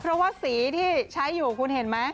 เพราะว่าสีที่ใช้อยู่คุณเห็นไหม